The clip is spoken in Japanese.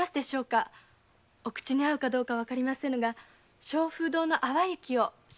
お口に合うかどうかわかりませぬが松風堂の「淡雪」を少々。